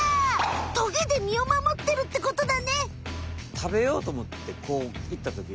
トゲで身を守ってるってことだね！